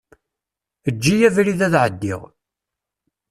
Eǧǧ-iyi abrid ad ɛeddiɣ.